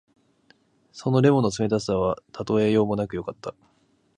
その檸檬の冷たさはたとえようもなくよかった。